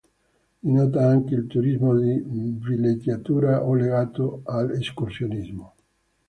Di nota anche il turismo di villeggiatura o legato all'escursionismo.